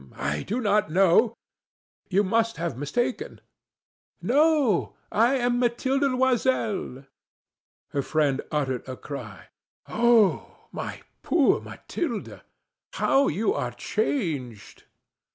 I do not know You must have mistaken." "No. I am Mathilde Loisel." Her friend uttered a cry. "Oh, my poor Mathilde! How you are changed!"